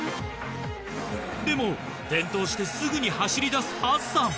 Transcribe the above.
でも転倒してすぐに走りだすハッサン。